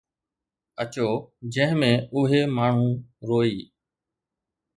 اچو، جنهن ۾ اهي ماڻهو روئي